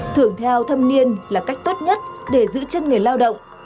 thưởng theo thâm niên là cách tốt nhất để giữ chân người lao động